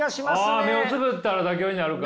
あ目をつぶったら妥協になるか。